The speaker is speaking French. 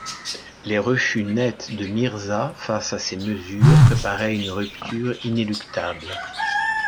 Les refus nets de Mirzâ face à ces mesures préparaient une rupture inéluctable.